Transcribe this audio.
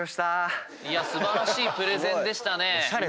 素晴らしいプレゼンでしたね。